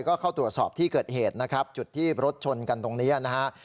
ก็เข้าตรวจสอบที่เกิดเหตุนะครับจุดที่รถชนกันตรงนี้นะฮะ